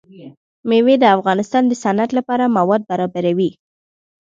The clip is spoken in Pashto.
مېوې د افغانستان د صنعت لپاره مواد برابروي.